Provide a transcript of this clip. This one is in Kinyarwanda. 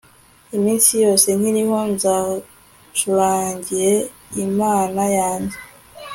iminsi yose nkiriho nzacurangire imana yanjye